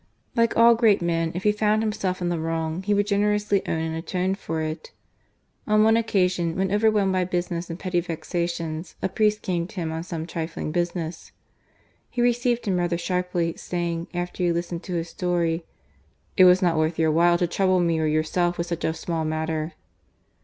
Like all great men, if he found himself in the wrong, he would generously own and atone for it. On one occasion, when overwhelmed by business and petty vexations, a priest came to him on some trifling business. He received him rather sharply, saying, after he had listened to his story: "It was not worth your while to trouble me or yourself with such a small matter."